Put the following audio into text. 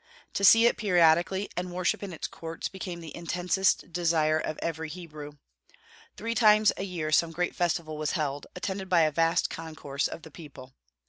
To see it periodically and worship in its courts became the intensest desire of every Hebrew. Three times a year some great festival was held, attended by a vast concourse of the people.